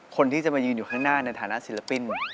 คนที่จะมายืนอยู่ข้างหน้าในฐานะศิลปิน